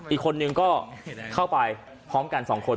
อีกคนนึงก็เข้าไปพร้อมกัน๒คน